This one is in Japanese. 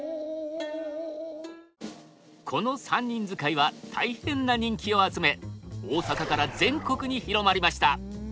この三人遣いは大変な人気を集め大阪から全国に広まりました。